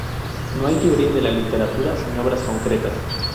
No hay teoría de la literatura sin obras concretas.